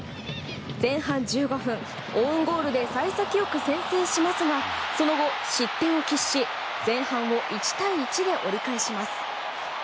前半１５分、オウンゴールで幸先良く先制しますがその後、失点を喫し前半を１対１で折り返します。